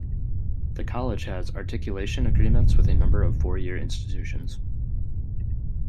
The College has articulation agreements with a number of four-year institutions.